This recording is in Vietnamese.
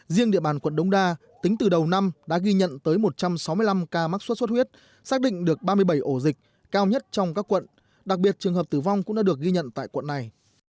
riêng địa bàn quận đông đa tính từ đầu năm đã ghi nhận tới một trăm sáu mươi năm ca mắc sốt xuất huyết xác định được ba mươi bảy ổ dịch cao nhất trong các quận đặc biệt trường hợp tử vong cũng đã được ghi nhận tại quận này